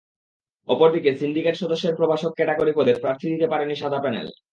অপর দিকে সিন্ডিকেট সদস্যের প্রভাষক ক্যাটাগরি পদে প্রার্থী দিতে পারেনি সাদা প্যানেল।